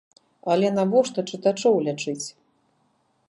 Але навошта чытачоў лячыць?